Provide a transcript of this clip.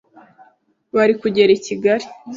Bari kugera i Kigali,